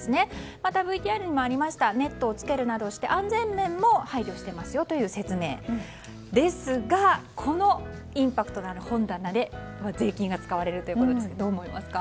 またＶＴＲにもあったネットをつけて安全面も配慮していますよという説明。ですが、このインパクトのある本棚に税金が使われるということでどう思われますか？